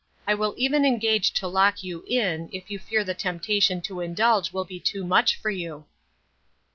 I will even engage to lock you in, if you fear the temptation to indulge will be too much for you."